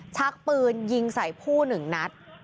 ชักปืนยิงใส่ผู้๑นัด